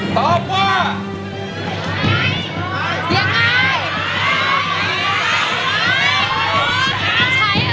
ใช้ดู